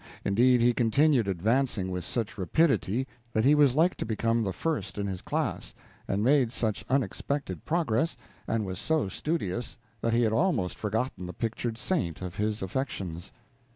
Indeed, he continued advancing with such rapidity that he was like to become the first in his class, and made such unexpected progress, and was so studious, that he had almost forgotten the pictured saint of his affections.